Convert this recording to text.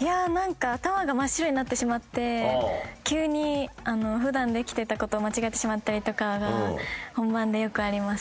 いやなんか頭が真っ白になってしまって急に普段できてた事を間違えてしまったりとかが本番でよくありますね。